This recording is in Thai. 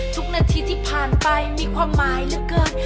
ทุกนาทีที่ผ่านไปมีความหมายเหลือเกิน